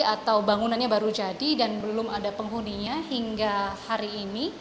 atau bangunannya baru jadi dan belum ada penghuninya hingga hari ini